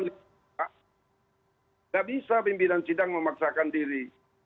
tidak bisa pimpinan sidang memaksakan diri